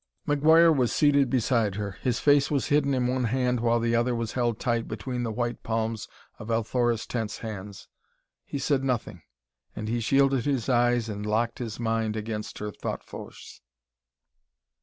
McGuire was seated beside her. His face was hidden in one hand while the other was held tight between the white palms of Althora's tense hands. He said nothing, and he shielded his eyes and locked his mind against her thought force.